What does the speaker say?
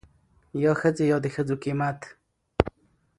يا ښځې يا دښځو قيمت.